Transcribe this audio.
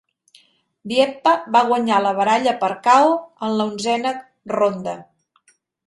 Dieppa va guanyar la baralla per KO en l'onzena ronda.